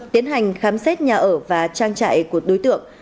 tiến hành khám xét nhà ở và trang trại của đối tượng